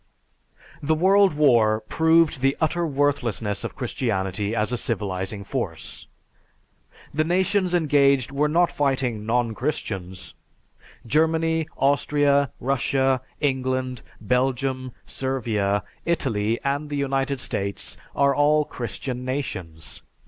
"_) The World War proved the utter worthlessness of Christianity as a civilizing force. The nations engaged were not fighting non Christians; Germany, Austria, Russia, England, Belgium, Servia, Italy, and the United States are all Christian nations.